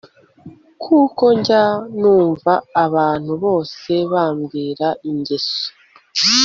Kuko njya numva abantu bose bambwira ingeso